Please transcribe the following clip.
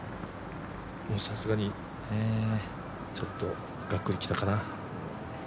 さすがにちょっとがっくりきたかな。